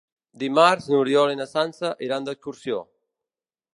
Dimarts n'Oriol i na Sança iran d'excursió.